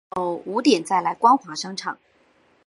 我想要五点再来光华商场